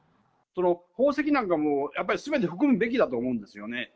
その宝石なんかもすべて含むべきだと思うんですよね。